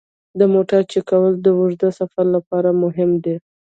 د موټر چک کول د اوږده سفر لپاره مهم دي.